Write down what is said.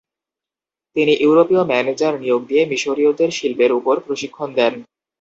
তিনি ইউরোপীয় ম্যানেজার নিয়োগ দিয়ে মিশরীয়দের শিল্পের উপর প্রশিক্ষণ দেন।